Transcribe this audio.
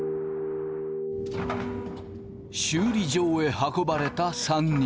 修理場へ運ばれた３人。